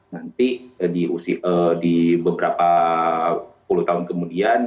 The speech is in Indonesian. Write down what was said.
nanti di beberapa puluh tahun kemudian